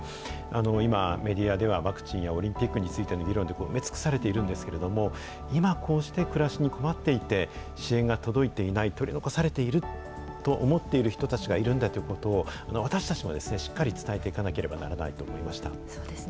今、メディアでは、ワクチンやオリンピックについての議論で埋め尽くされているんですけれども、今こうして暮らしに困っていて、支援が届いていない、取り残されていると思っている人たちがいるんだということを、私たちもしっかり伝えていかなければならないと思いました。